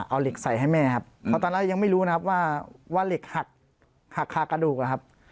เอาเหล็กใส่ให้แม่ครับเพราะตอนแรกยังไม่รู้นะครับว่าเหล็กหักหักคากระดูกอะครับ